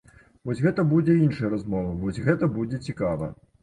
Вось гэта будзе іншая размова, вось гэта будзе цікава.